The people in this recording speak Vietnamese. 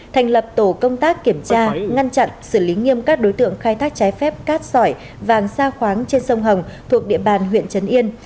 thành lập tổ công tác kiểm tra ngăn chặn xử lý nghiêm các đối tượng khai thác trái phép cát sỏi vàng sa khoáng trên sông hồng thuộc địa bàn huyện trấn yên